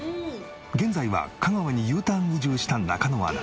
現在は香川にＵターン移住した中野アナ。